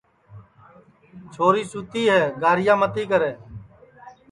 چھوری سُتی ہے گاریا متی کرے